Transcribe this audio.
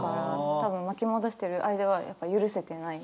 多分巻き戻してる間は許せてない。